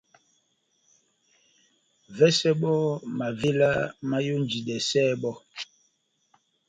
Vɛsɛ bɔ́ mavéla máyonjidɛsɛ bɔ́.